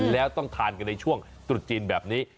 แล้วต้องทานกันในช่วงตรุษจีนแบบนี้